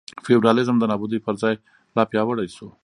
فیوډالېزم د نابودۍ پر ځای لا پیاوړی شو.